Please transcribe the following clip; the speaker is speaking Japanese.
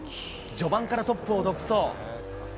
序盤からトップを独走。